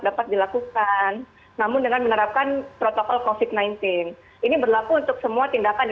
dapat dilakukan namun dengan menerapkan protokol kofit sembilan belas ini berlaku untuk semua tindakan